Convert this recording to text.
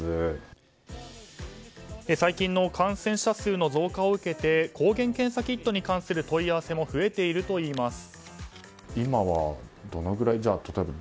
最近の感染者数の増加を受けて抗原検査キットに関する問い合わせも増えているといいます。